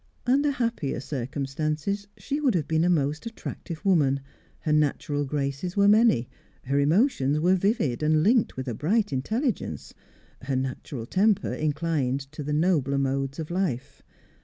Under happier circumstances she would have been a most attractive woman; her natural graces were many, her emotions were vivid and linked with a bright intelligence, her natural temper inclined to the nobler modes of life.